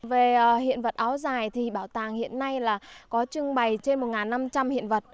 về hiện vật áo dài thì bảo tàng hiện nay là có trưng bày trên một năm trăm linh hiện vật